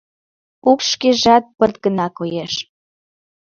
Укш шкежат пырт гына коеш.